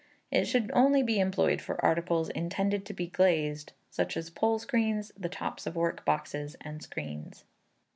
It should only be employed for articles intended to be glazed, such as pole screens, the tops of work boxes, and screens.